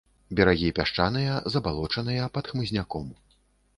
Берагі пясчаныя, забалочаныя, пад хмызняком.